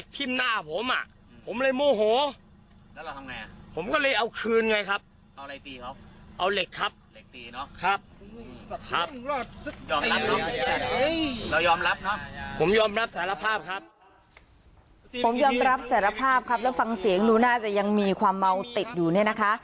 ผมยอมรับสารภาพครับแล้วฟังเสียงดูน่าจะยังมีความเมาติดอยู่เนี่ยนะคะ